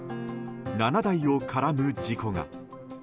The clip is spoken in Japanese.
７台が絡む事故が。